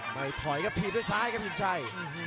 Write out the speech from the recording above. ไม่ถอยครับถีบด้วยซ้ายครับสินชัย